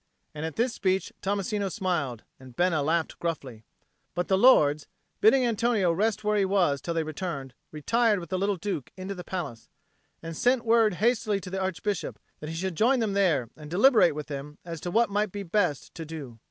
And at this speech Tommasino smiled and Bena laughed gruffly. But the lords, bidding Antonio rest where he was till they returned, retired with the little Duke into the palace, and sent word hastily to the Archbishop that he should join them there and deliberate with them as to what it might be best to do.